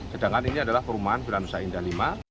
sedangkan ini adalah perumahan bilan usaha indah lima